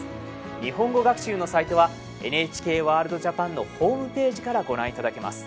日本語学習のサイトはＮＨＫワールドＪＡＰＡＮのホームページからご覧いただけます。